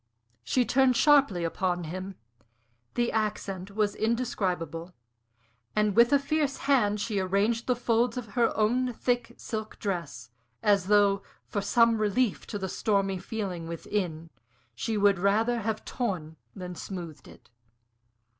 She turned sharply upon him. The accent was indescribable. And with a fierce hand she arranged the folds of her own thick silk dress, as though, for some relief to the stormy feeling within, she would rather have torn than smoothed it.